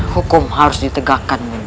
hukum harus ditegakkan bunda